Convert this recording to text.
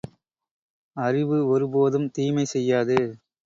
அறிவு ஒரு போதும் தீமை செய்யாது.